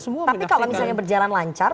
semua menaksikan tapi kalau misalnya berjalan lancar